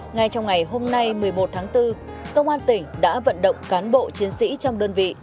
ngay trong ngày hôm nay một mươi một tháng bốn công an tỉnh đã vận động cán bộ chiến sĩ trong đơn vị